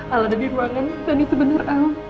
al ada di ruangan dan itu benar al